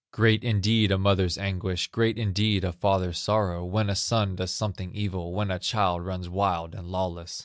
Great indeed a mother's anguish, Great indeed a father's sorrow, When a son does something evil, When a child runs wild and lawless.